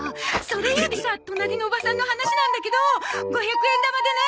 それよりさ隣のおばさんの話なんだけど５００円玉でね